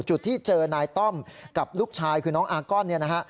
จุดที่เจอนายต้อมกับลูกชายคือน้องอาก้อนเนี่ยนะฮะ